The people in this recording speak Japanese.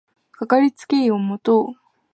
かかりつけ医を持とう